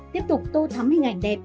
tiếp tục tô thắm hình ảnh đẹp